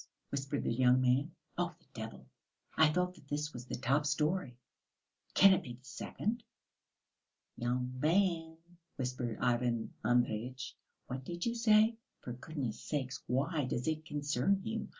whispered the young man. "Oh, the devil! I thought that this was the top storey; can it be the second?" "Young man," whispered Ivan Andreyitch, "what did you say? For goodness' sake why does it concern you?